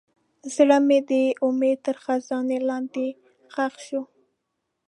زړه مې د امید تر خزان لاندې ښخ شو.